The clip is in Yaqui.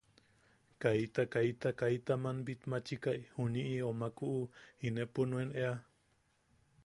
Kaita, kaita, kaita aman bitmachikai, juniʼi, o maku o inepo nuen ea.